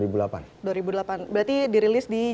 berarti dirilis di